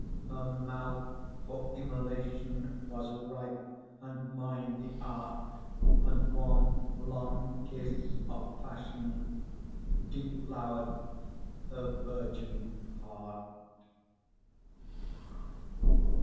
Her mouth for immolation Was ripe, and mine the art; And one long kiss of passion Deflowered her virgin heart.